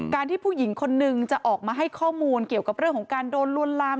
ที่ผู้หญิงคนนึงจะออกมาให้ข้อมูลเกี่ยวกับเรื่องของการโดนลวนลาม